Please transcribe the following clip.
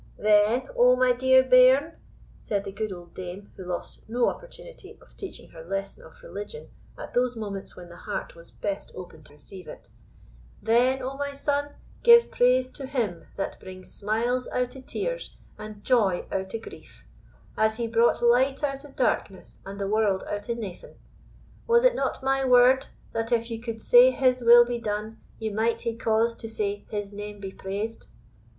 "Then, O my dear bairn," said the good old dame, who lost no opportunity of teaching her lesson of religion at those moments when the heart was best open to receive it, "Then, O my son, give praise to Him that brings smiles out o' tears and joy out o' grief, as He brought light out o' darkness and the world out o' naething. Was it not my word, that if ye could say His will be done, ye might hae cause to say His name be praised?"